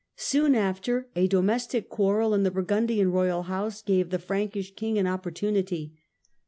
Soon after, a domestic quarrel in the Burgundian royal house gave the Frankish King an opportunity.